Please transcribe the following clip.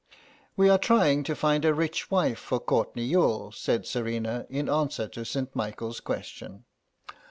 "We are trying to find a rich wife for Courtenay Youghal," said Serena, in answer to St. Michael's question.